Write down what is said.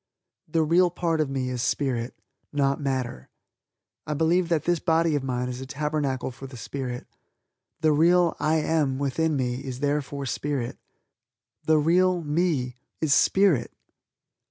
The real part of me is Spirit, not matter. I believe that this body of mine is a Tabernacle for the Spirit. The real "I am" within me is therefore Spirit. The real "me" is Spirit.